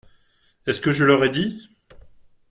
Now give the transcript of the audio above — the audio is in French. Est-ce que je leur ai dit ?…